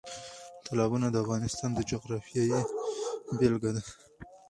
تالابونه د افغانستان د جغرافیې بېلګه ده.